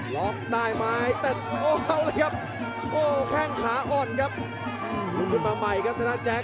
ล๊อกได้มายเต็ดโอ้โหชอบเลยครับ